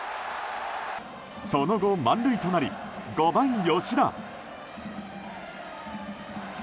その後、満塁となり５番、吉田。